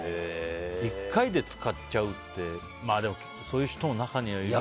１回で使っちゃうってでも、そういう人も中にはいるか。